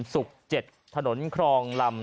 ศุกร์๗ถนนครองลำ